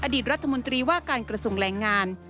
อดีตรัฐมนตรีว่าการกระทรวงแรงงาน